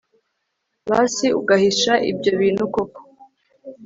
basi ugahisha ibyo bintu koko